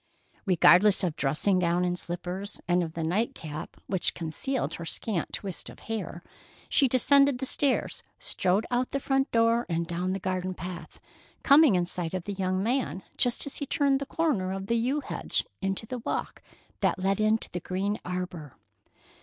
Regardless of dressing gown and slippers, and of the night cap which concealed her scant twist of hair, she descended the stairs, strode out the front door and down the garden path, coming in sight of the young man just as he turned the corner of the yew hedge into the walk that led into the green arbor.